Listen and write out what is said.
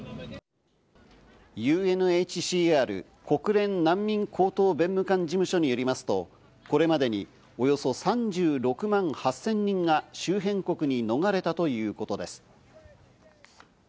ＵＮＨＣＲ＝国連難民高等弁務官事務所によりますと、これまでにおよそ３６万８０００人が周辺国に逃れたということです。